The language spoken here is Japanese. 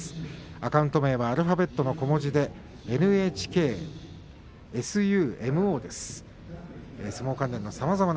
アカウント名はアルファベットの小文字でｎｈｋｓｕｍｏです。